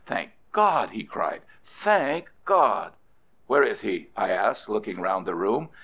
"Thank God!" he cried. "Thank God!" "Where is he?" I asked, looking round the room.